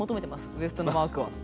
ウエストのマークは。